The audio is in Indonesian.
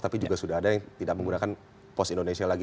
tapi juga sudah ada yang tidak menggunakan pos indonesia lagi